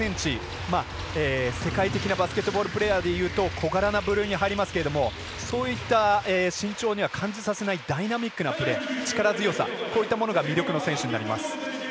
世界的なバスケットボールプレーヤーでいうと小柄な部類に入りますけどそういった身長には感じさせないダイナミックなプレー、力強さこういったものが魅力の選手になります。